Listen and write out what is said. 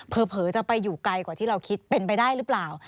เผลอจะไปอยู่ไกลกว่าที่เราคิดเป็นไปได้หรือเปล่า